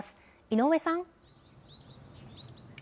井上さん。